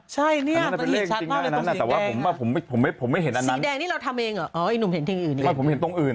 สีแดงนี่เราทำเองอ่ะอ้านุ่มเห็นที่อื่น